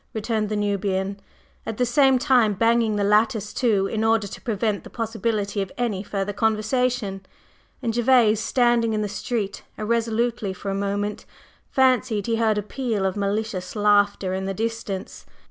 _" returned the Nubian, at the same time banging the lattice to in order to prevent the possibility of any further conversation. And Gervase, standing in the street irresolutely for a moment, fancied he heard a peal of malicious laughter in the distance.